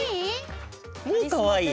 かわいい！